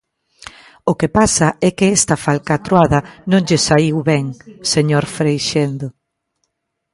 O que pasa é que esta falcatruada non lles saíu ben, señor Freixendo.